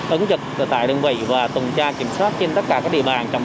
ứng trực tại đơn vị và tuần tra kiểm soát trên tất cả các địa bàn trọng